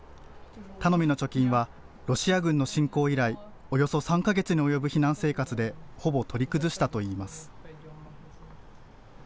頼みの貯金は、ロシア軍の侵攻以来、およそ３か月に及ぶ避難生活でほぼ取り崩したといいます。